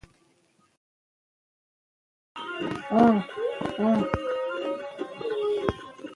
مور د مور شیدو ته اهمیت ورکوي.